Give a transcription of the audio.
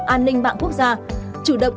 an ninh mạng quốc gia chủ động